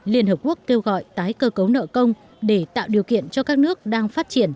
liên hợp quốc kêu gọi tái cơ cấu nợ công để tạo điều kiện cho các nước đang phát triển